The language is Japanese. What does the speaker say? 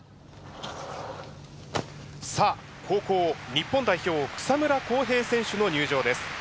さあ後攻日本代表草村航平選手の入場です。